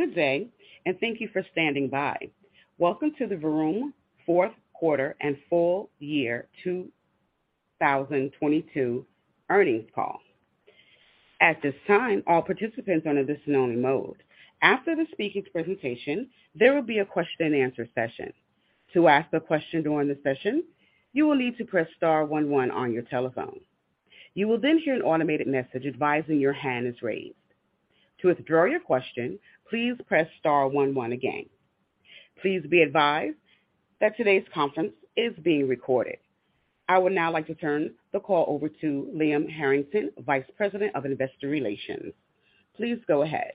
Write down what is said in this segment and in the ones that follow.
Good day, and thank you for standing by. Welcome to the Vroom Q4 and full year 2022 earnings call. At this time, all participants are in a listen only mode. After the speaking presentation, there will be a question and answer session. To ask a question during the session, you will need to press *11 on your telephone. You will then hear an automated message advising your hand is raised. To withdraw your question, please press *11 again. Please be advised that today's conference is being recorded. I would now like to turn the call over to Liam Harrington, Vice President of Investor Relations. Please go ahead.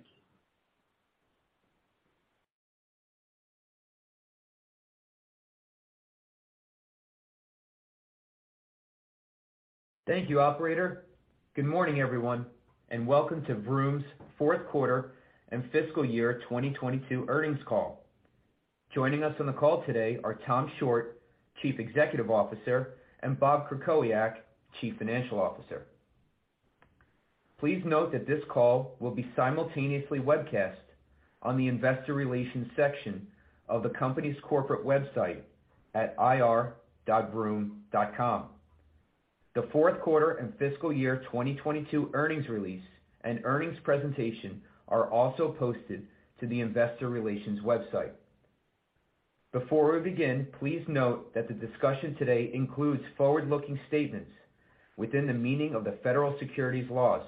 Thank you, operator. Good morning, everyone, and welcome to Vroom's Q4 and fiscal year 22 earnings call. Joining us on the call today are Tom Shortt, Chief Executive Officer, and Bob Krakowiak, Chief Financial Officer. Please note that this call will be simultaneously webcast on the investor relations section of the company's corporate website at ir.vroom.com. The Q4 and fiscal year 22 earnings release and earnings presentation are also posted to the investor relations website. Before we begin, please note that the discussion today includes forward-looking statements within the meaning of the federal securities laws,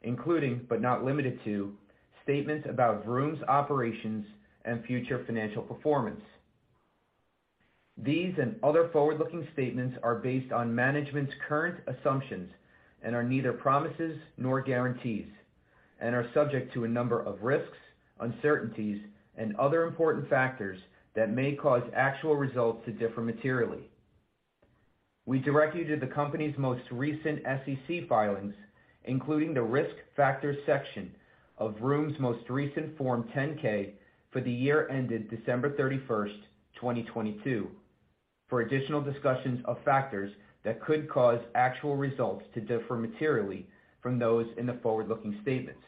including, but not limited to, statements about Vroom's operations and future financial performance. These and other forward-looking statements are based on management's current assumptions and are neither promises nor guarantees, and are subject to a number of risks, uncertainties, and other important factors that may cause actual results to differ materially. We direct you to the company's most recent SEC filings, including the Risk Factors section of Vroom's most recent Form 10-K for the year ended December 31, 2022, for additional discussions of factors that could cause actual results to differ materially from those in the forward-looking statements.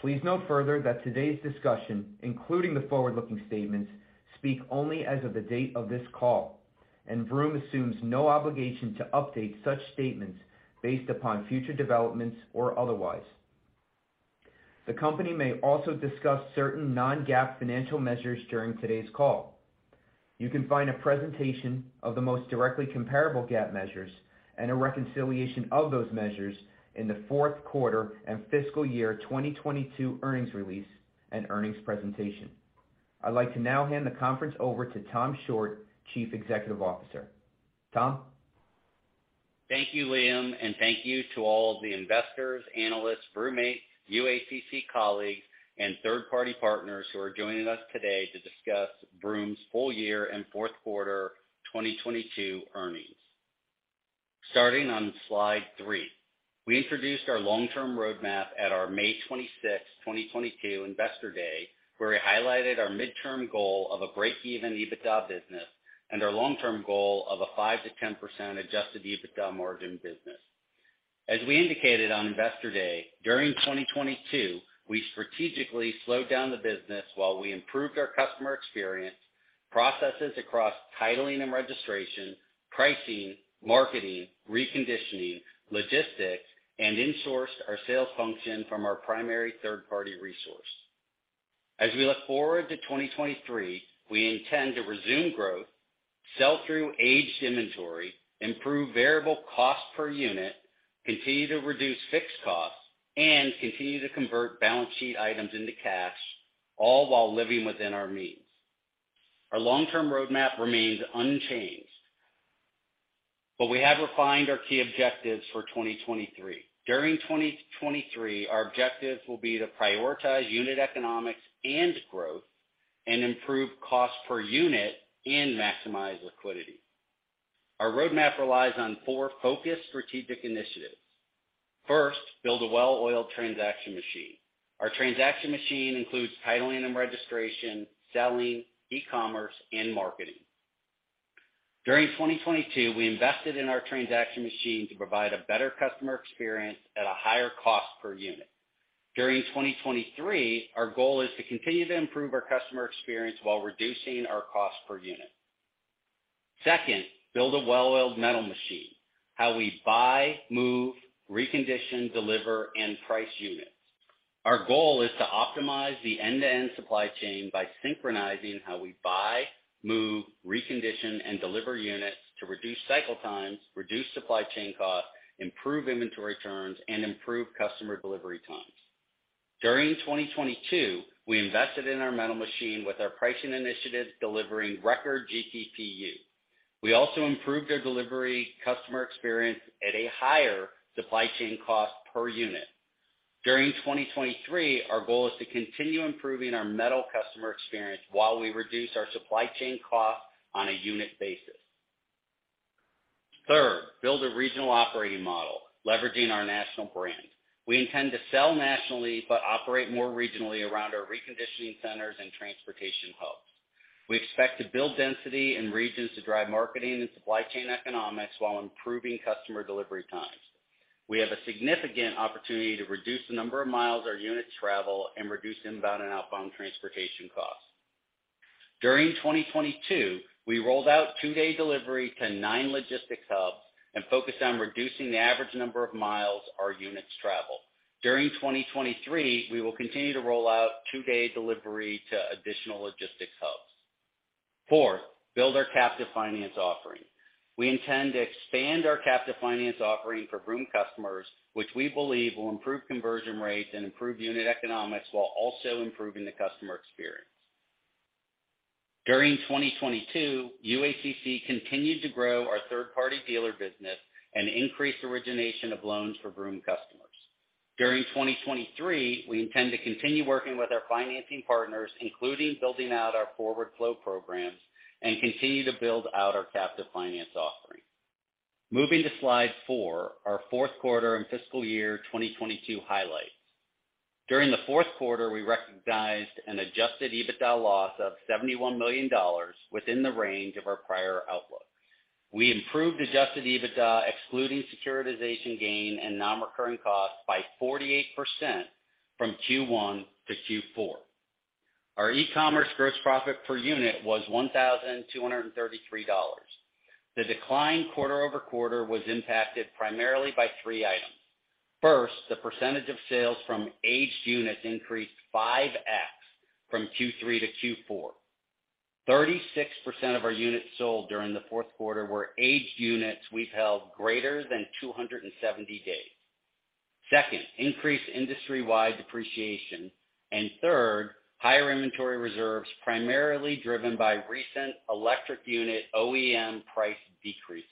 Please note further that today's discussion, including the forward-looking statements, speak only as of the date of this call, and Vroom assumes no obligation to update such statements based upon future developments or otherwise. The company may also discuss certain non-GAAP financial measures during today's call. You can find a presentation of the most directly comparable GAAP measures and a reconciliation of those measures in the Q4 and fiscal year 2022 earnings release and earnings presentation. I'd like to now hand the conference over to Tom Shortt, Chief Executive Officer. Tom? Thank you, Liam, and thank you to all of the investors, analysts, Vroommates, UACC colleagues, and third-party partners who are joining us today to discuss Vroom's full year and Q4 2022 earnings. Starting on slide three, we introduced our long-term roadmap at our May 26, 2022 Investor Day, where we highlighted our midterm goal of a break-even EBITDA business and our long-term goal of a 5%-10% adjusted EBITDA margin business. As we indicated on Investor Day, during 2022, we strategically slowed down the business while we improved our customer experience, processes across titling and registration, pricing, marketing, reconditioning, logistics, and insourced our sales function from our primary third-party resource. As we look forward to 2023, we intend to resume growth, sell through aged inventory, improve variable cost per unit, continue to reduce fixed costs, and continue to convert balance sheet items into cash, all while living within our means. Our long-term roadmap remains unchanged, but we have refined our key objectives for 2023. During 2023, our objectives will be to prioritize unit economics and growth and improve cost per unit and maximize liquidity. Our roadmap relies on four focused strategic initiatives. First, build a well-oiled transaction machine. Our transaction machine includes titling and registration, selling, e-commerce, and marketing. During 2022, we invested in our transaction machine to provide a better customer experience at a higher cost per unit. During 2023, our goal is to continue to improve our customer experience while reducing our cost per unit. Second, build a well-oiled metal machine. How we buy, move, recondition, deliver, and price units. Our goal is to optimize the end-to-end supply chain by synchronizing how we buy, move, recondition, and deliver units to reduce cycle times, reduce supply chain costs, improve inventory turns, and improve customer delivery times. During 2022, we invested in our metal machine with our pricing initiatives delivering record GPPU. We also improved our delivery customer experience at a higher supply chain cost per unit. During 2023, our goal is to continue improving our metal customer experience while we reduce our supply chain cost on a unit basis. Third, build a regional operating model, leveraging our national brand. We intend to sell nationally, but operate more regionally around our reconditioning centers and transportation hubs. We expect to build density in regions to drive marketing and supply chain economics while improving customer delivery times. We have a significant opportunity to reduce the number of miles our units travel and reduce inbound and outbound transportation costs. During 2022, we rolled out two-day delivery to nine logistics hubs and focused on reducing the average number of miles our units travel. During 2023, we will continue to roll out two-day delivery to additional logistics hubs. 4, build our captive finance offering. We intend to expand our captive finance offering for Vroom customers, which we believe will improve conversion rates and improve unit economics while also improving the customer experience. During 2022, UACC continued to grow our third-party dealer business and increased origination of loans for Vroom customers. During 2023, we intend to continue working with our financing partners, including building out our forward flow programs, and continue to build out our captive finance offering. Moving to slide 4, our Q4 and fiscal year 2022 highlights. During the Q44, we recognized an adjusted EBITDA loss of $71 million within the range of our prior outlook. We improved adjusted EBITDA, excluding securitization gain and non-recurring costs, by 48% from Q1 to Q4. Our e-commerce GPPU was $1,233. The decline quarter-over-quarter was impacted primarily by three items. First, the percentage of sales from aged units increased 5x from Q3 to Q4. 36% of our units sold during the Q4 were aged units we've held greater than 270 days. Second, increased industry-wide depreciation. Third, higher inventory reserves, primarily driven by recent electric unit OEM price decreases.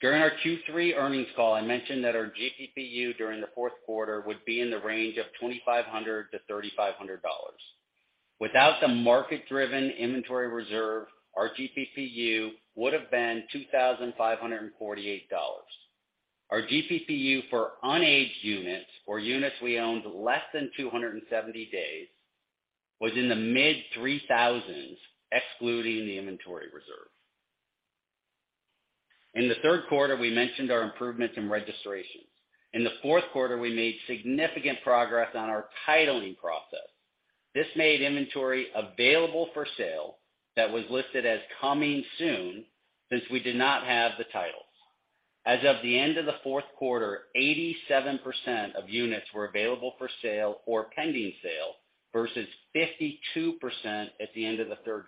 During our Q3 earnings call, I mentioned that our GPPU during the Q4 would be in the range of $2,500-$3,500. Without the market-driven inventory reserve, our GPPU would have been $2,548. Our GPPU for unaged units, or units we owned less than 270 days, was in the mid-$3,000s, excluding the inventory reserve. In the Q3, we mentioned our improvements in registrations. In the Q4, we made significant progress on our titling process. This made inventory available for sale that was listed as coming soon since we did not have the titles. As of the end of the Q4, 87% of units were available for sale or pending sale versus 52% at the end of the Q3.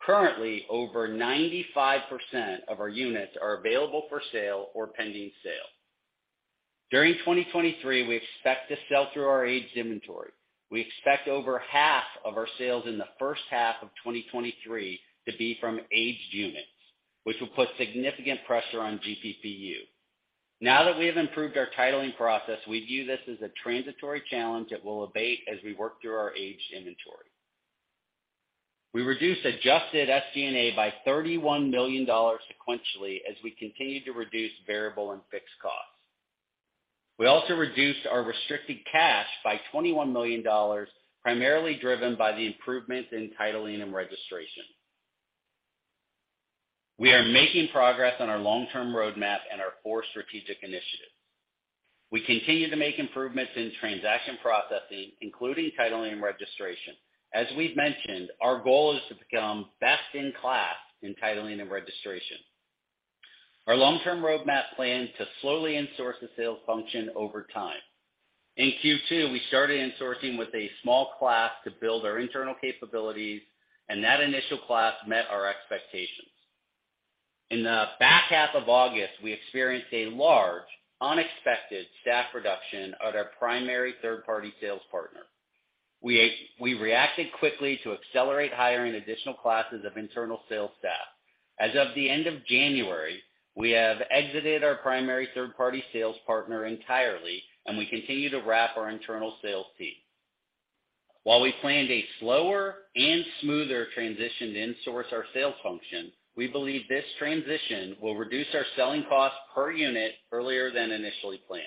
Currently, over 95% of our units are available for sale or pending sale. During 2023, we expect to sell through our aged inventory. We expect over half of our sales in the H1 of 2023 to be from aged units, which will put significant pressure on GPPU. That we have improved our titling process, we view this as a transitory challenge that will abate as we work through our aged inventory. We reduced adjusted SG&A by $31 million sequentially as we continued to reduce variable and fixed costs. We also reduced our restricted cash by $21 million, primarily driven by the improvements in titling and registration. We are making progress on our long-term roadmap and our four strategic initiatives. We continue to make improvements in transaction processing, including titling and registration. As we've mentioned, our goal is to become best in class in titling and registration. Our long-term roadmap plans to slowly in-source the sales function over time. In Q2, we started in-sourcing with a small class to build our internal capabilities, and that initial class met our expectations. In the back half of August, we experienced a large, unexpected staff reduction at our primary third-party sales partner. We reacted quickly to accelerate hiring additional classes of internal sales staff. As of the end of January, we have exited our primary third-party sales partner entirely, and we continue to wrap our internal sales team. While we planned a slower and smoother transition to in-source our sales function, we believe this transition will reduce our selling cost per unit earlier than initially planned.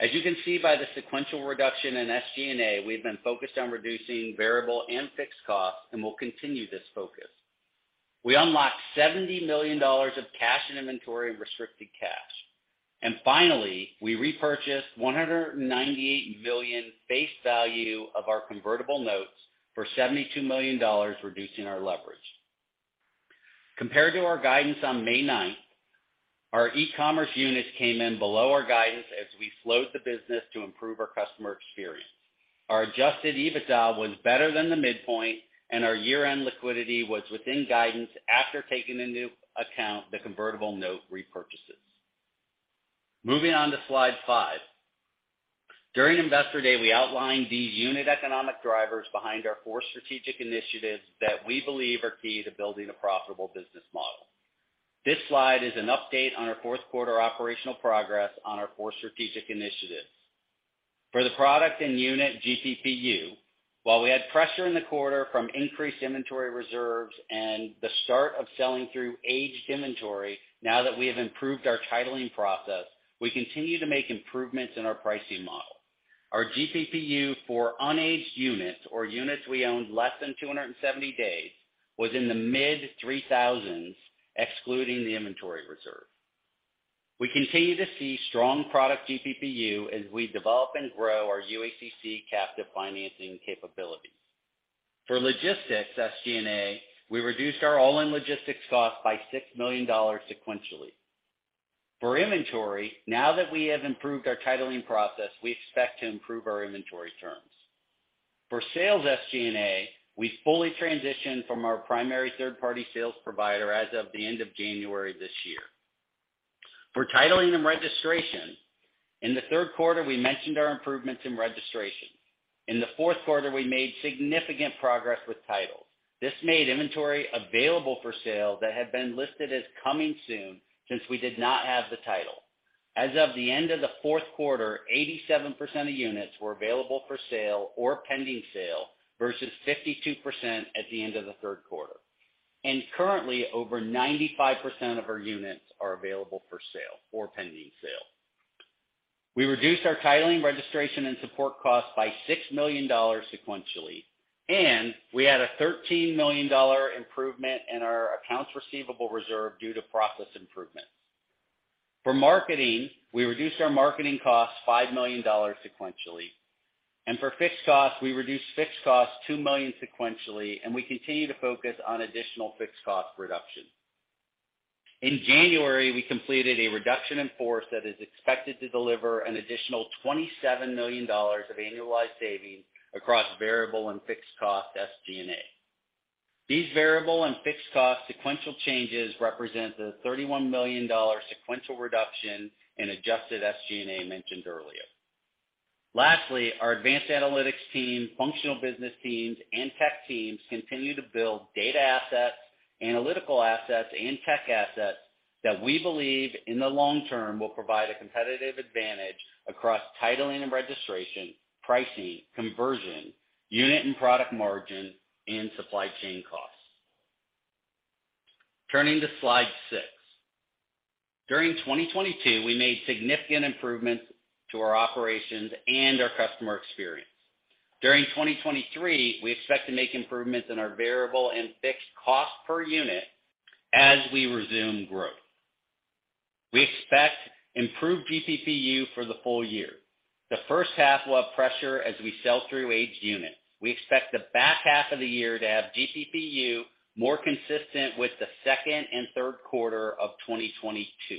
As you can see by the sequential reduction in SG&A, we've been focused on reducing variable and fixed costs and will continue this focus. We unlocked $70 million of cash and inventory restricted cash. Finally, we repurchased $198 million face value of our convertible notes for $72 million, reducing our leverage. Compared to our guidance on May ninth, our e-commerce units came in below our guidance as we slowed the business to improve our customer experience. Our adjusted EBITDA was better than the midpoint, and our year-end liquidity was within guidance after taking into account the convertible note repurchases. Moving on to slide five. During Investor Day, we outlined the unit economic drivers behind our four strategic initiatives that we believe are key to building a profitable business model. This slide is an update on our Q4 operational progress on our four strategic initiatives. The product and unit GPPU, while we had pressure in the quarter from increased inventory reserves and the start of selling through aged inventory, now that we have improved our titling process, we continue to make improvements in our pricing model. Our GPPU for unaged units or units we owned less than 270 days was in the mid $3,000s, excluding the inventory reserve. We continue to see strong product GPPU as we develop and grow our UACC captive financing capabilities. Logistics SG&A, we reduced our all-in logistics cost by $6 million sequentially. Inventory, now that we have improved our titling process, we expect to improve our inventory terms. For sales SG&A, we fully transitioned from our primary third-party sales provider as of the end of January this year. For titling and registration, in the Q3, we mentioned our improvements in registration. In the Q4, we made significant progress with titles. This made inventory available for sale that had been listed as coming soon since we did not have the title. As of the end of the Q4, 87% of units were available for sale or pending sale versus 52% at the end of the Q3. Currently, over 95% of our units are available for sale or pending sale. We reduced our titling, registration, and support costs by $6 million sequentially, and we had a $13 million improvement in our accounts receivable reserve due to process improvements. For marketing, we reduced our marketing costs $5 million sequentially. For fixed costs, we reduced fixed costs $2 million sequentially. We continue to focus on additional fixed cost reduction. In January, we completed a reduction in force that is expected to deliver an additional $27 million of annualized savings across variable and fixed cost SG&A. These variable and fixed cost sequential changes represent the $31 million sequential reduction in adjusted SG&A mentioned earlier. Lastly, our advanced analytics team, functional business teams, and tech teams continue to build data assets, analytical assets, and tech assets that we believe in the long term will provide a competitive advantage across titling and registration, pricing, conversion, unit and product margin, and supply chain costs. Turning to Slide 6. During 2022, we made significant improvements to our operations and our customer experience. During 2023, we expect to make improvements in our variable and fixed cost per unit as we resume growth. We expect improved GPPU for the full year. The H1 will have pressure as we sell through aged units. We expect the back half of the year to have GPPU more consistent with the second and Q3 of 2022.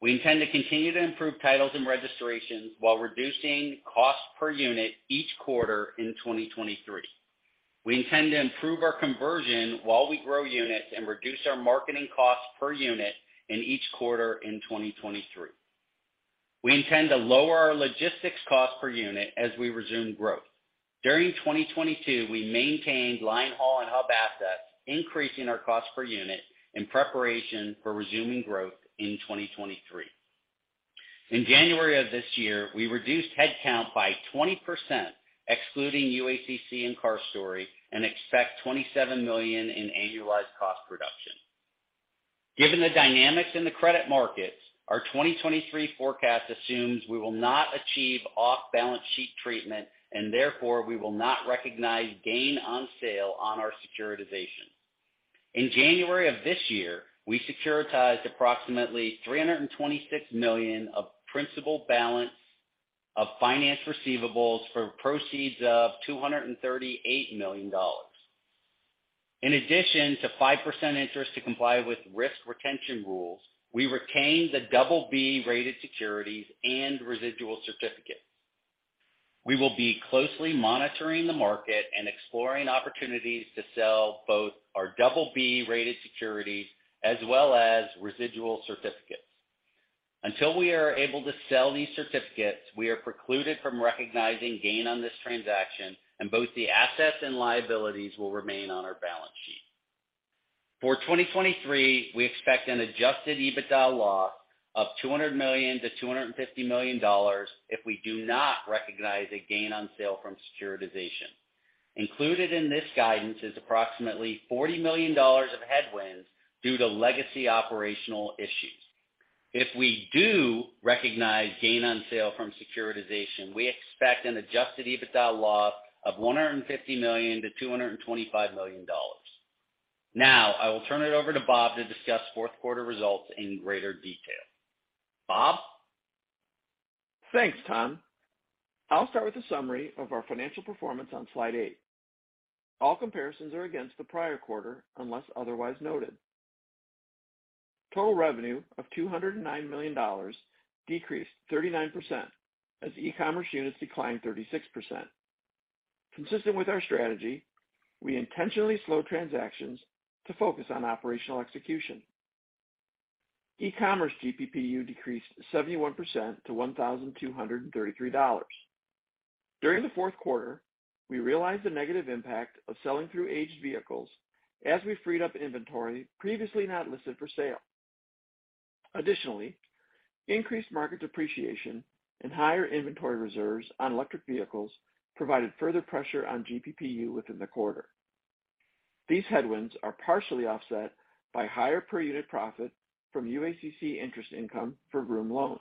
We intend to continue to improve titles and registrations while reducing cost per unit each quarter in 2023. We intend to improve our conversion while we grow units and reduce our marketing cost per unit in each quarter in 2023. We intend to lower our logistics cost per unit as we resume growth. During 2022, we maintained linehaul and hub assets, increasing our cost per unit in preparation for resuming growth in 2023. In January of this year, we reduced headcount by 20%, excluding UACC and CarStory, and expect $27 million in annualized cost reduction. Given the dynamics in the credit markets, our 2023 forecast assumes we will not achieve off-balance sheet treatment and therefore we will not recognize gain on sale on our securitization. In January of this year, we securitized approximately $326 million of principal balance of finance receivables for proceeds of $238 million. In addition to 5% interest to comply with risk retention rules, we retained the BB-rated securities and residual certificates. We will be closely monitoring the market and exploring opportunities to sell both our BB-rated securities as well as residual certificates. Until we are able to sell these certificates, we are precluded from recognizing gain on this transaction and both the assets and liabilities will remain on our balance sheet. For 2023, we expect an adjusted EBITDA loss of $200 million-$250 million if we do not recognize a gain on sale from securitization. Included in this guidance is approximately $40 million of headwinds due to legacy operational issues. If we do recognize gain on sale from securitization, we expect an adjusted EBITDA loss of $150 million-$225 million. I will turn it over to Bob to discuss Q4 results in greater detail. Bob? Thanks, Tom. I'll start with a summary of our financial performance on slide 8. All comparisons are against the prior quarter, unless otherwise noted. Total revenue of $209 million decreased 39% as e-commerce units declined 36%. Consistent with our strategy, we intentionally slowed transactions to focus on operational execution. e-commerce GPPU decreased 71% to $1,233. During the Q4, We realized the negative impact of selling through aged vehicles as we freed up inventory previously not listed for sale. Increased market depreciation and higher inventory reserves on electric vehicles provided further pressure on GPPU within the quarter. These headwinds are partially offset by higher per unit profit from UACC interest income for Vroom loans.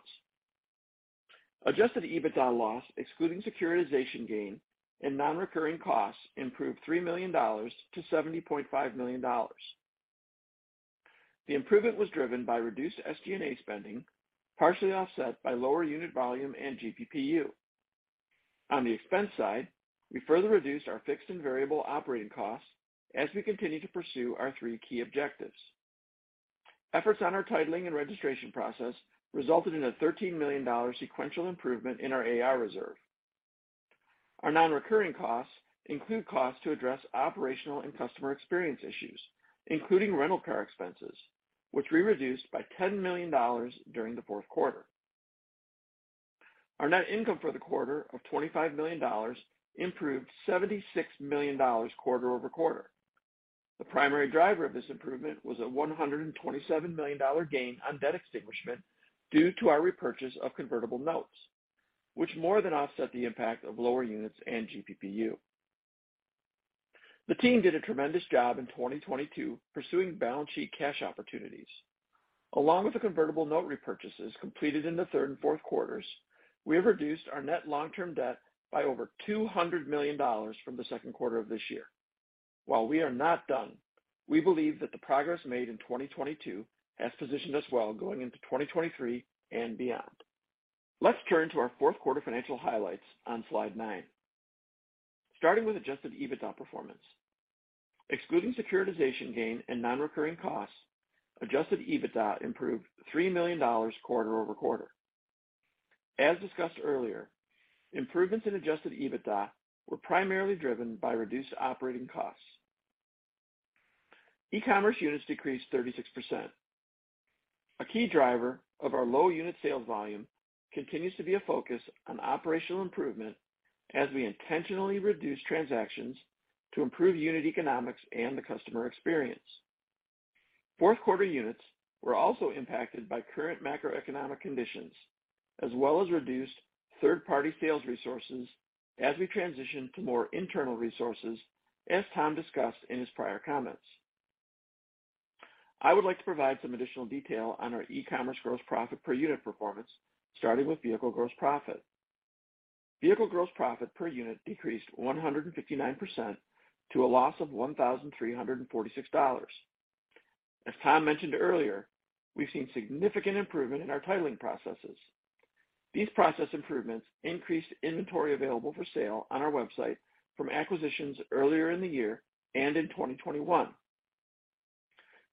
Adjusted EBITDA loss excluding securitization gain and non-recurring costs improved $3 million to $70.5 million. The improvement was driven by reduced SG&A spending, partially offset by lower unit volume and GPPU. On the expense side, we further reduced our fixed and variable operating costs as we continue to pursue our three key objectives. Efforts on our titling and registration process resulted in a $13 million sequential improvement in our AR reserve. Our non-recurring costs include costs to address operational and customer experience issues, including rental car expenses, which we reduced by $10 million during the Q4. Our net income for the quarter of $25 million improved $76 million quarter-over-quarter. The primary driver of this improvement was a $127 million gain on debt extinguishment due to our repurchase of convertible notes, which more than offset the impact of lower units and GPPU. The team did a tremendous job in 2022 pursuing balance sheet cash opportunities. Along with the convertible note repurchases completed in the 3rd and 4th quarters, we have reduced our net long-term debt by over $200 million from the 2nd quarter of this year. While we are not done, we believe that the progress made in 2022 has positioned us well going into 2023 and beyond. Let's turn to our 4th quarter financial highlights on slide 9. Starting with adjusted EBITDA performance. Excluding securitization gain and non-recurring costs, adjusted EBITDA improved $3 million quarter-over-quarter. As discussed earlier, improvements in adjusted EBITDA were primarily driven by reduced operating costs. E-commerce units decreased 36%. A key driver of our low unit sales volume continues to be a focus on operational improvement as we intentionally reduce transactions to improve unit economics and the customer experience. Q4 units were also impacted by current macroeconomic conditions, as well as reduced third-party sales resources as we transition to more internal resources, as Tom discussed in his prior comments. I would like to provide some additional detail on our e-commerce gross profit per unit performance, starting with vehicle gross profit. Vehicle gross profit per unit decreased 159% to a loss of $1,346. As Tom mentioned earlier, we've seen significant improvement in our titling processes. These process improvements increased inventory available for sale on our website from acquisitions earlier in the year and in 2021.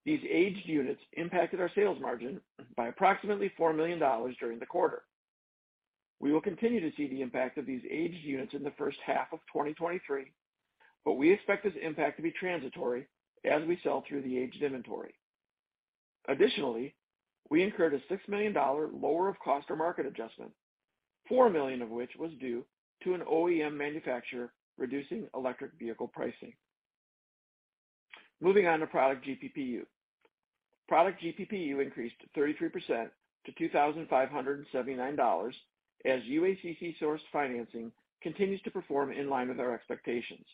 These aged units impacted our sales margin by approximately $4 million during the quarter. We will continue to see the impact of these aged units in the H1 of 2023, but we expect this impact to be transitory as we sell through the aged inventory. We incurred a $6 million lower of cost or market adjustment, $4 million of which was due to an OEM manufacturer reducing electric vehicle pricing. Moving on to product GPPU. Product GPPU increased 33% to $2,579 as UACC source financing continues to perform in line with our expectations.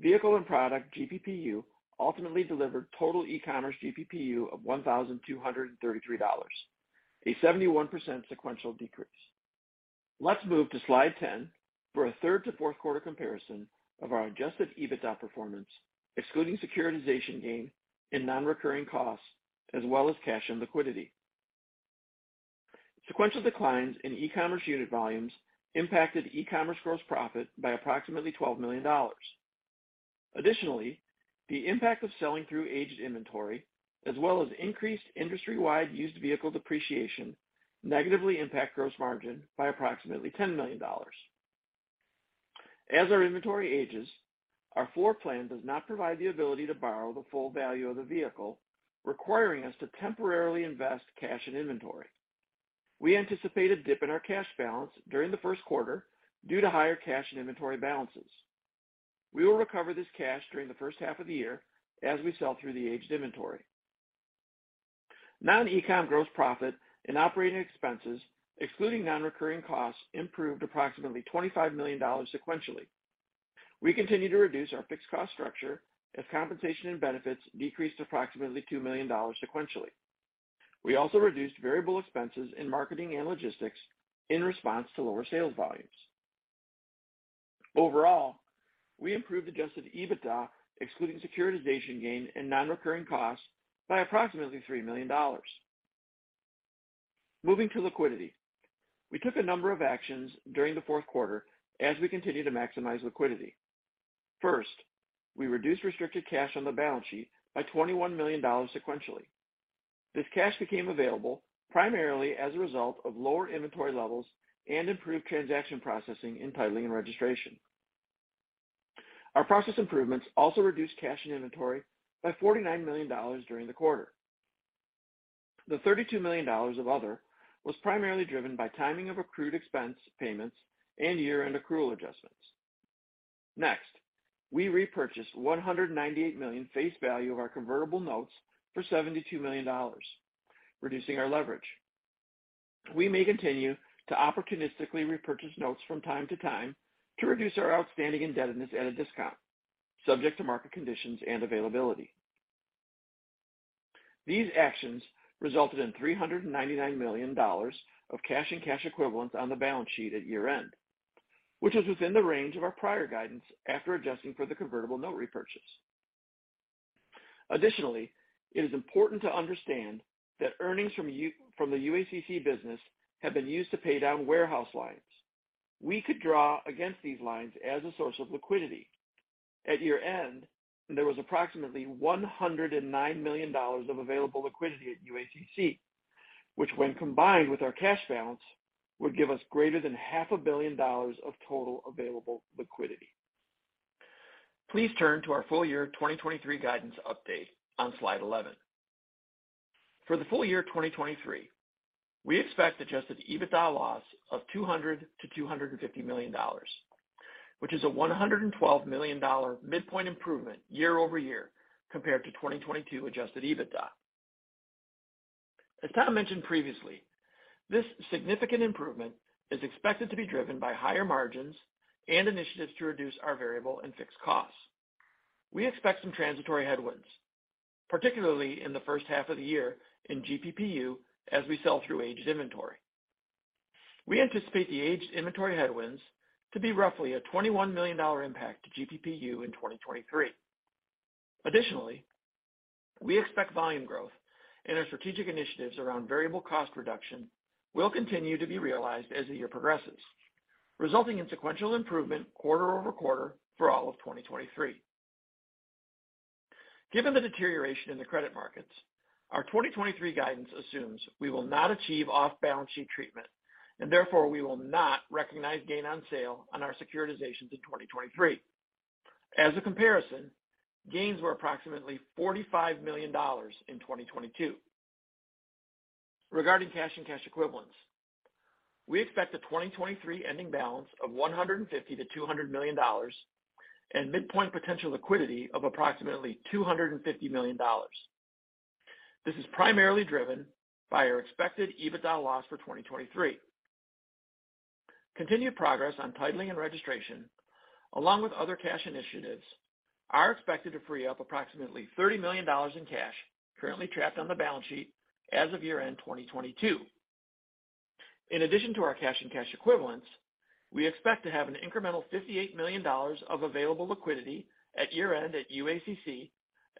Vehicle and product GPPU ultimately delivered total e-commerce GPPU of $1,233, a 71% sequential decrease. Let's move to slide 10 for a third to Q4 comparison of our adjusted EBITDA performance, excluding securitization gain and non-recurring costs, as well as cash and liquidity. Sequential declines in e-commerce unit volumes impacted e-commerce gross profit by approximately $12 million. The impact of selling through aged inventory as well as increased industry-wide used vehicle depreciation negatively impact gross margin by approximately $10 million. As our inventory ages, our floor plan does not provide the ability to borrow the full value of the vehicle, requiring us to temporarily invest cash and inventory. We anticipate a dip in our cash balance during the first quarter due to higher cash and inventory balances. We will recover this cash during the H1 of the year as we sell through the aged inventory. Non-e-com gross profit and operating expenses, excluding non-recurring costs, improved approximately $25 million sequentially. We continue to reduce our fixed cost structure as compensation and benefits decreased approximately $2 million sequentially. We also reduced variable expenses in marketing and logistics in response to lower sales volumes. Overall, we improved adjusted EBITDA, excluding securitization gain and non-recurring costs, by approximately $3 million. Moving to liquidity. We took a number of actions during the Q4 as we continue to maximize liquidity. First, we reduced restricted cash on the balance sheet by $21 million sequentially. This cash became available primarily as a result of lower inventory levels and improved transaction processing in titling and registration. Our process improvements also reduced cash and inventory by $49 million during the quarter. The $32 million of other was primarily driven by timing of accrued expense payments and year-end accrual adjustments. We repurchased $198 million face value of our convertible notes for $72 million, reducing our leverage. We may continue to opportunistically repurchase notes from time to time to reduce our outstanding indebtedness at a discount, subject to market conditions and availability. These actions resulted in $399 million of cash and cash equivalents on the balance sheet at year-end, which is within the range of our prior guidance after adjusting for the convertible note repurchase. Additionally, it is important to understand that earnings from the UACC business have been used to pay down warehouse lines. We could draw against these lines as a source of liquidity. At year-end, there was approximately $109 million of available liquidity at UACC, which when combined with our cash balance, would give us greater than half a billion dollars of total available liquidity. Please turn to our full year 2023 guidance update on slide 11. For the full year 2023, we expect adjusted EBITDA loss of $200 million-$250 million, which is a $112 million midpoint improvement year-over-year compared to 2022 adjusted EBITDA. As Tom mentioned previously, this significant improvement is expected to be driven by higher margins and initiatives to reduce our variable and fixed costs. We expect some transitory headwinds, particularly in the H1 of the year in GPPU as we sell through aged inventory. We anticipate the aged inventory headwinds to be roughly a $21 million impact to GPPU in 2023. Additionally, we expect volume growth and our strategic initiatives around variable cost reduction will continue to be realized as the year progresses, resulting in sequential improvement quarter-over-quarter for all of 2023. Given the deterioration in the credit markets, our 2023 guidance assumes we will not achieve off-balance sheet treatment, and therefore we will not recognize gain on sale on our securitizations in 2023. As a comparison, gains were approximately $45 million in 2022. Regarding cash and cash equivalents, we expect the 2023 ending balance of $150 million-$200 million and midpoint potential liquidity of approximately $250 million. This is primarily driven by our expected EBITDA loss for 2023. Continued progress on titling and registration, along with other cash initiatives, are expected to free up approximately $30 million in cash currently trapped on the balance sheet as of year-end 2022. In addition to our cash and cash equivalents, we expect to have an incremental $58 million of available liquidity at year-end at UACC,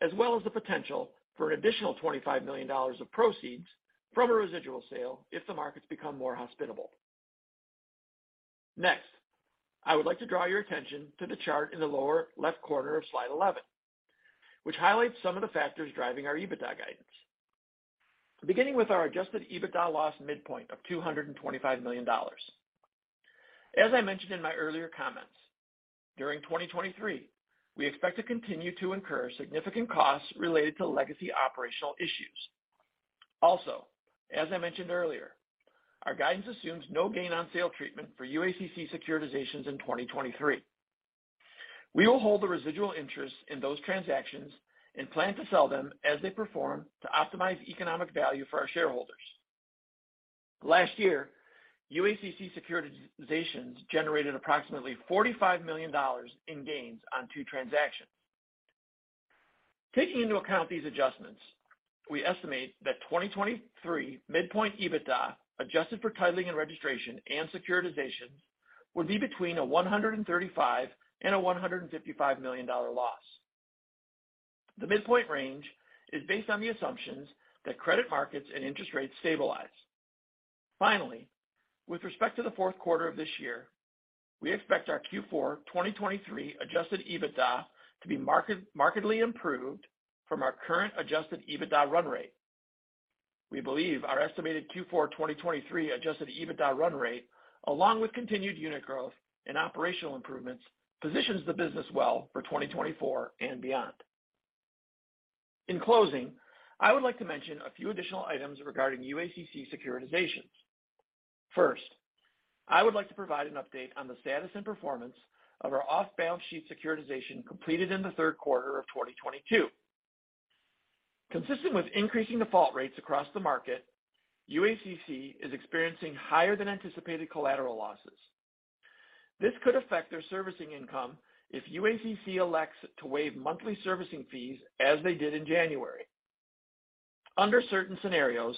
as well as the potential for an additional $25 million of proceeds from a residual sale if the markets become more hospitable. Next, I would like to draw your attention to the chart in the lower left corner of slide 11, which highlights some of the factors driving our EBITDA guidance. Beginning with our adjusted EBITDA loss midpoint of $225 million. As I mentioned in my earlier comments, during 2023, we expect to continue to incur significant costs related to legacy operational issues. As I mentioned earlier, our guidance assumes no gain on sale treatment for UACC securitizations in 2023. We will hold the residual interest in those transactions and plan to sell them as they perform to optimize economic value for our shareholders. Last year, UACC securitizations generated approximately $45 million in gains on two transactions. Taking into account these adjustments, we estimate that 2023 midpoint EBITDA, adjusted for titling and registration and securitizations, would be between a $135 million and a $155 million loss. The midpoint range is based on the assumptions that credit markets and interest rates stabilize. With respect to the Q4 of this year, we expect our Q4 2023 adjusted EBITDA to be markedly improved from our current adjusted EBITDA run rate. We believe our estimated Q4 2023 adjusted EBITDA run rate, along with continued unit growth and operational improvements, positions the business well for 2024 and beyond. In closing, I would like to mention a few additional items regarding UACC securitizations. First, I would like to provide an update on the status and performance of our off-balance sheet securitization completed in the Q3 of 2022. Consistent with increasing default rates across the market, UACC is experiencing higher than anticipated collateral losses. This could affect their servicing income if UACC elects to waive monthly servicing fees as they did in January. Under certain scenarios,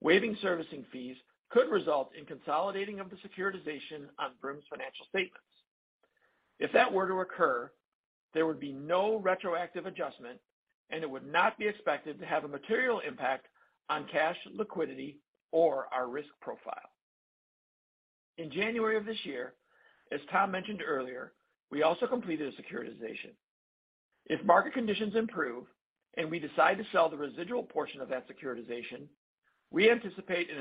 waiving servicing fees could result in consolidating of the securitization on Vroom's financial statements. If that were to occur, there would be no retroactive adjustment, and it would not be expected to have a material impact on cash liquidity or our risk profile. In January of this year, as Tom mentioned earlier, we also completed a securitization. If market conditions improve and we decide to sell the residual portion of that securitization, we anticipate an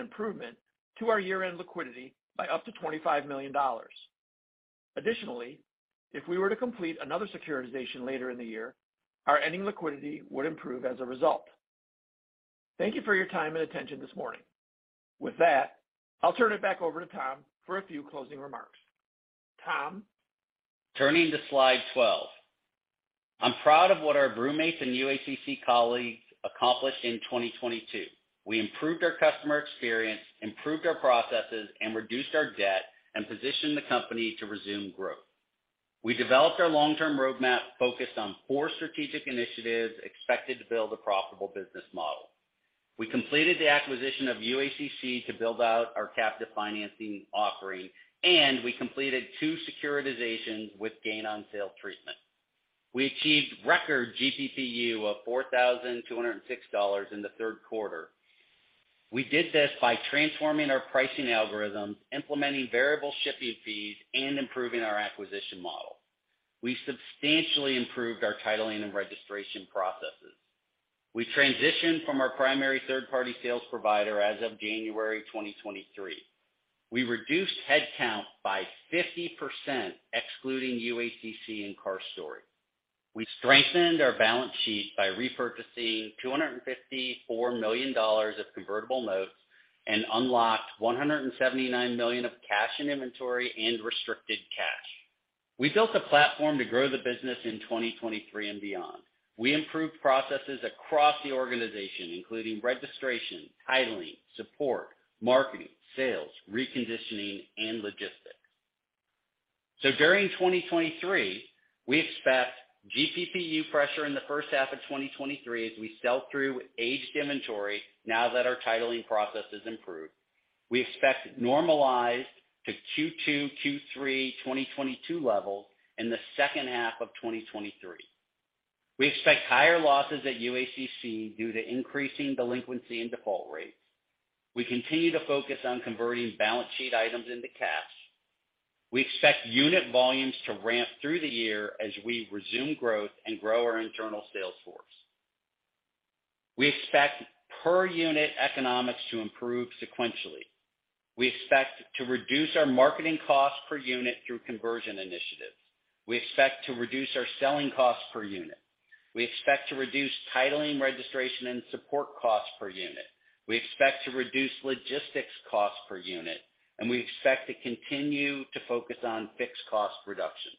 improvement to our year-end liquidity by up to $25 million. Additionally, if we were to complete another securitization later in the year, our ending liquidity would improve as a result. Thank you for your time and attention this morning. With that, I'll turn it back over to Tom for a few closing remarks. Tom? Turning to slide 12. I'm proud of what our Vroommates and UACC colleagues accomplished in 2022. We improved our customer experience, improved our processes, and reduced our debt, and positioned the company to resume growth. We developed our long-term roadmap focused on 4 strategic initiatives expected to build a profitable business model. We completed the acquisition of UACC to build out our captive financing offering, and we completed two securitizations with gain on sale treatment. We achieved record GPPU of $4,206 in the Q3. We did this by transforming our pricing algorithms, implementing variable shipping fees, and improving our acquisition model. We substantially improved our titling and registration processes. We transitioned from our primary third-party sales provider as of January 2023. We reduced headcount by 50%, excluding UACC and CarStory. We strengthened our balance sheet by repurchasing $254 million of convertible notes and unlocked $179 million of cash and inventory and restricted cash. We built a platform to grow the business in 2023 and beyond. We improved processes across the organization, including registration, titling, support, marketing, sales, reconditioning and logistics. During 2023, we expect GPPU pressure in the H1 of 2023 as we sell through aged inventory now that our titling process has improved. We expect normalized to Q2/Q3 2022 levels in the H2 of 2023. We expect higher losses at UACC due to increasing delinquency and default rates. We continue to focus on converting balance sheet items into cash. We expect unit volumes to ramp through the year as we resume growth and grow our internal sales force. We expect per unit economics to improve sequentially. We expect to reduce our marketing costs per unit through conversion initiatives. We expect to reduce our selling costs per unit. We expect to reduce titling, registration, and support costs per unit. We expect to reduce logistics costs per unit. We expect to continue to focus on fixed cost reduction.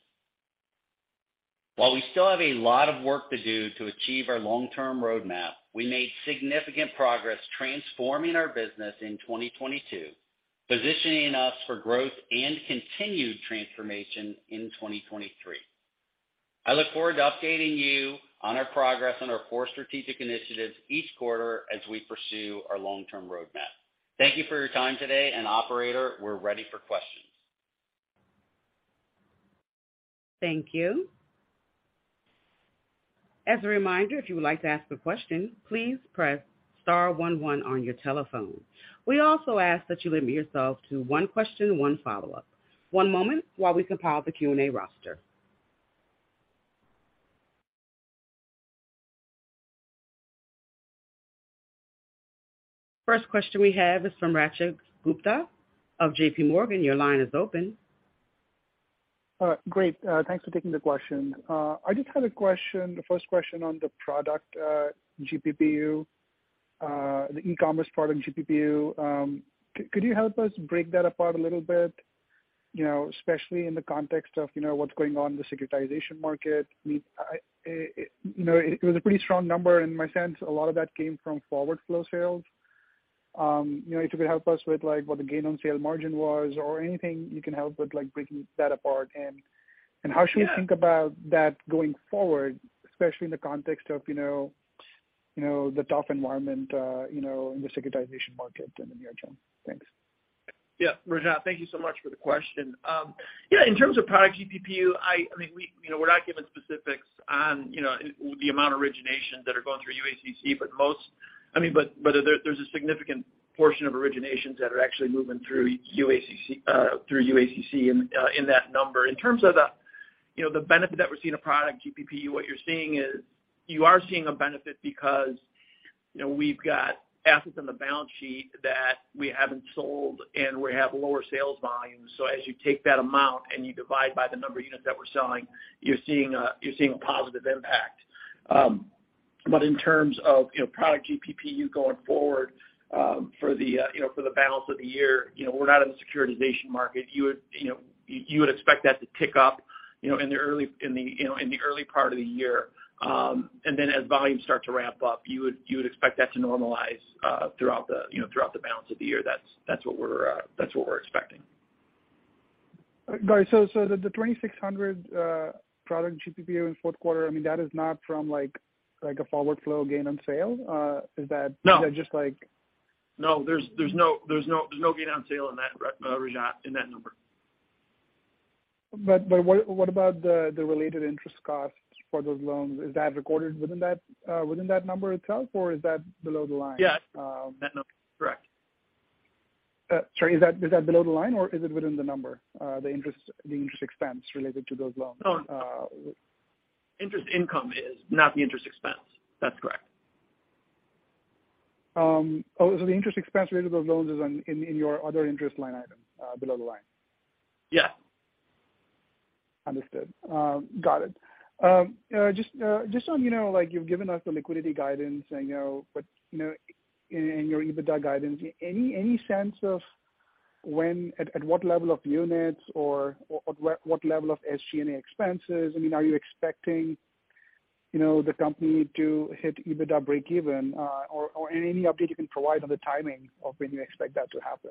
While we still have a lot of work to do to achieve our long-term roadmap, we made significant progress transforming our business in 2022, positioning us for growth and continued transformation in 2023. I look forward to updating you on our progress on our four strategic initiatives each quarter as we pursue our long-term roadmap. Thank you for your time today. Operator, we're ready for questions. Thank you. As a reminder, if you would like to ask a question, please press star one one on your telephone. We also ask that you limit yourself to one question, one follow-up. One moment while we compile the Q&A roster. First question we have is from Rajat Gupta of JPMorgan. Your line is open. Great. Thanks for taking the question. I just had a question, the first question on the product GPPU, the e-commerce product GPPU. Could you help us break that apart a little bit, you know, especially in the context of, you know, what's going on in the securitization market? I mean, you know, it was a pretty strong number, and my sense, a lot of that came from forward flow sales. You know, if you could help us with, like, what the gain on sale margin was or anything you can help with, like, breaking that apart. How should we think about that going forward, especially in the context of, you know, the tough environment, you know, in the securitization market in the near term? Thanks. Yeah, Rajat, thank you so much for the question. In terms of product GPPU, I mean, we, you know, we're not giving specifics on, you know, the amount of originations that are going through UACC, but most, I mean, but there's a significant portion of originations that are actually moving through UACC, through UACC in that number. In terms of the, you know, the benefit that we're seeing in product GPPU, what you're seeing is you are seeing a benefit because, you know, we've got assets on the balance sheet that we haven't sold, and we have lower sales volumes. As you take that amount and you divide by the number of units that we're selling, you're seeing a positive impact. In terms of, you know, product GPPU going forward, for the, you know, for the balance of the year, you know, we're not in the securitization market. You would, you know, you would expect that to tick up, you know, in the early part of the year. And then as volumes start to ramp up, you would, you would expect that to normalize, throughout the, you know, throughout the balance of the year. That's what we're expecting. All right. The $2,600 product GPPU in Q4, I mean, that is not from like a forward flow gain on sale? No. Is that just like? No. There's no gain on sale in that, Rajat, in that number. What about the related interest costs for those loans? Is that recorded within that, within that number itself or is that below the line? Yes. Um- That number. Correct. Sorry, is that below the line or is it within the number? The interest expense related to those loans? No. Interest income is, not the interest expense. That's correct. The interest expense related to those loans is in your other interest line item, below the line? Yeah. Understood. got it. just so you know, like you've given us the liquidity guidance and, you know, but, you know, and your EBITDA guidance. Any sense of at what level of units or what level of SG&A expenses, I mean, are you expecting, you know, the company to hit EBITDA breakeven, or any update you can provide on the timing of when you expect that to happen?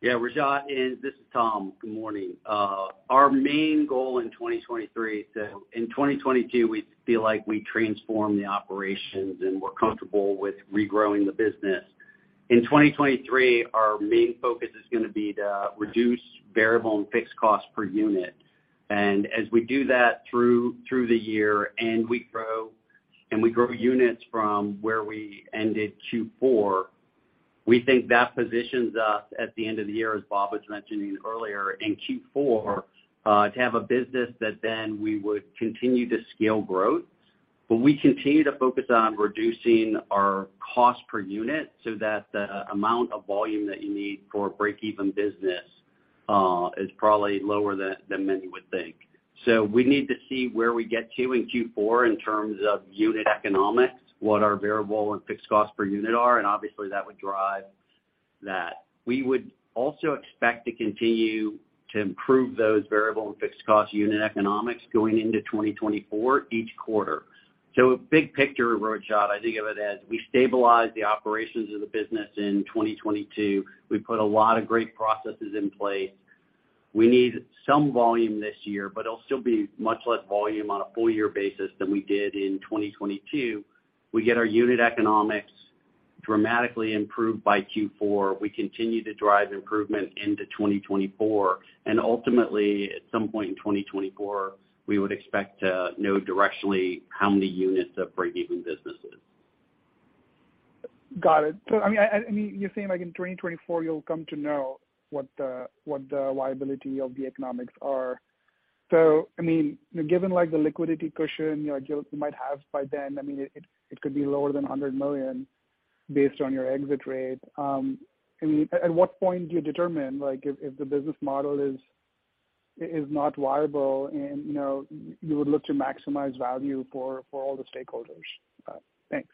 Yeah, Rajat, and this is Tom Shortt. Good morning. Our main goal in 2023 to... In 2022, we feel like we transformed the operations, and we're comfortable with regrowing the business. In 2023, our main focus is gonna be to reduce variable and fixed costs per unit. As we do that through the year, and we grow units from where we ended Q4, we think that positions us at the end of the year, as Bob Krakowiak was mentioning earlier, in Q4, to have a business that then we would continue to scale growth. We continue to focus on reducing our cost per unit so that the amount of volume that you need for a breakeven business, is probably lower than many would think. We need to see where we get to in Q4 in terms of unit economics, what our variable and fixed costs per unit are, and obviously that would drive that. We would also expect to continue to improve those variable and fixed cost unit economics going into 2024 each quarter. Big picture, Rajat, I think of it as we stabilize the operations of the business in 2022. We put a lot of great processes in place. We need some volume this year, but it'll still be much less volume on a full year basis than we did in 2022. We get our unit economics dramatically improved by Q4. We continue to drive improvement into 2024. Ultimately, at some point in 2024, we would expect to know directionally how many units of breakeven business is. Got it. I mean, you're saying like in 2024, you'll come to know what the viability of the economics are. I mean, given like the liquidity cushion you might have by then, I mean, it could be lower than $100 million based on your exit rate. I mean, at what point do you determine, like if the business model is not viable and, you know, you would look to maximize value for all the stakeholders? Thanks.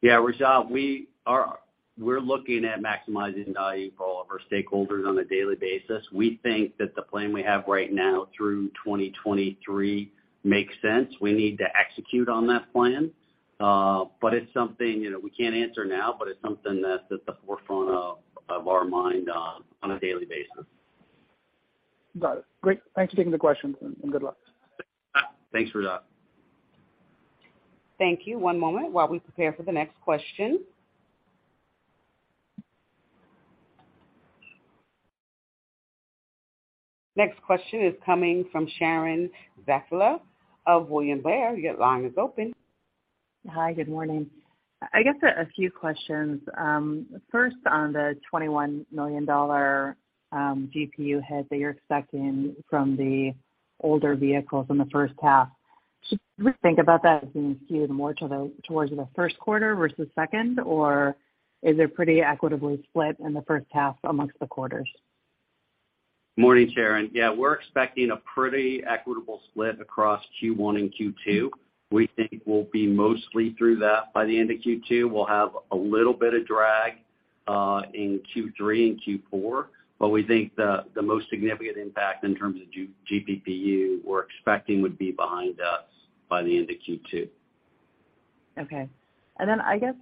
Yeah, Rajat, we're looking at maximizing value for all of our stakeholders on a daily basis. We think that the plan we have right now through 2023 makes sense. We need to execute on that plan. It's something, you know, we can't answer now, but it's something that's at the forefront of our mind on a daily basis. Got it. Great. Thanks for taking the question, and good luck. Thanks, Rajat. Thank you. One moment while we prepare for the next question. Next question is coming from Sharon Zackfia of William Blair. Your line is open. Hi, good morning. I guess a few questions. First on the $21 million GPU hit that you're expecting from the older vehicles in the H1. Should we think about that as being skewed more towards the first quarter versus second, or is it pretty equitably split in the H1 amongst the quarters? Morning, Sharon. Yeah, we're expecting a pretty equitable split across Q1 and Q2. We think we'll be mostly through that by the end of Q2. We'll have a little bit of drag in Q3 and Q4, but we think the most significant impact in terms of G-GPU we're expecting would be behind us by the end of Q2. Okay. Then I guess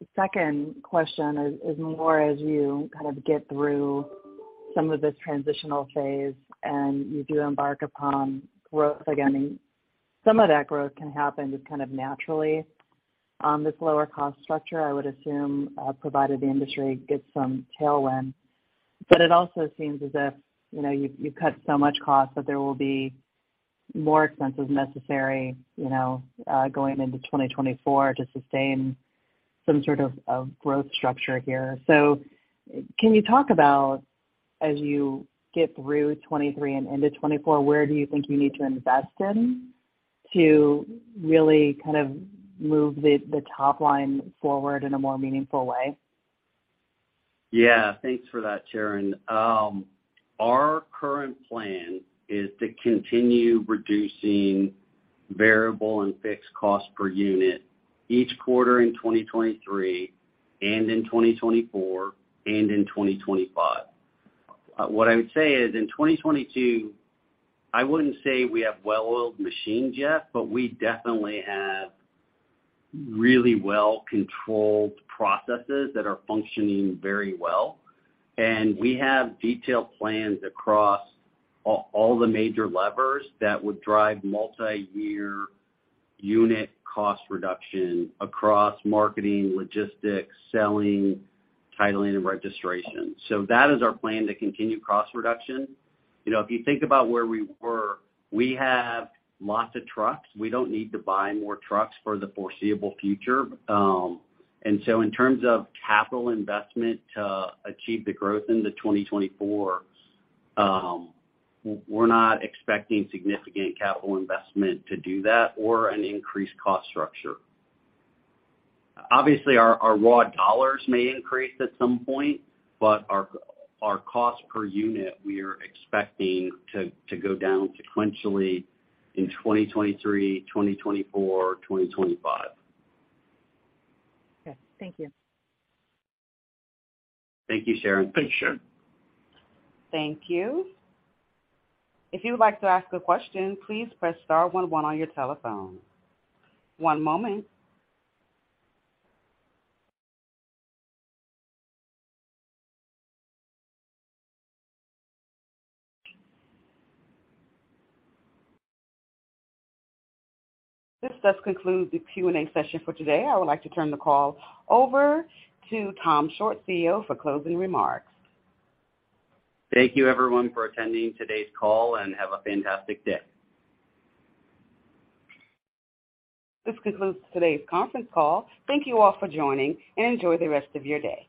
the second question is more as you kind of get through some of this transitional phase, and you do embark upon growth again, and some of that growth can happen just kind of naturally on this lower cost structure, I would assume, provided the industry gets some tailwind. It also seems as if, you know, you've cut so much cost that there will be more expenses necessary, you know, going into 2024 to sustain some sort of a growth structure here. Can you talk about as you get through 2023 and into 2024, where do you think you need to invest in to really kind of move the top line forward in a more meaningful way? Yeah. Thanks for that, Sharon. Our current plan is to continue reducing variable and fixed cost per unit each quarter in 2023 and in 2024 and in 2025. What I would say is in 2022, I wouldn't say we have well-oiled machines yet, but we definitely have really well-controlled processes that are functioning very well. We have detailed plans across all the major levers that would drive multiyear unit cost reduction across marketing, logistics, selling, titling, and registration. That is our plan to continue cost reduction. You know, if you think about where we were, we have lots of trucks. We don't need to buy more trucks for the foreseeable future. In terms of capital investment to achieve the growth into 2024, we're not expecting significant capital investment to do that or an increased cost structure. Obviously, our raw dollars may increase at some point, but our cost per unit, we are expecting to go down sequentially in 2023, 2024, 2025. Okay, thank you. Thank you, Sharon. Thanks, Sharon. Thank you. If you would like to ask a question, please press star one one on your telephone. One moment. This does conclude the Q&A session for today. I would like to turn the call over to Tom Shortt, CEO, for closing remarks. Thank you everyone for attending today's call, and have a fantastic day. This concludes today's conference call. Thank you all for joining. Enjoy the rest of your day.